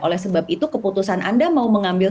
oleh sebab itu keputusan anda mau mengambil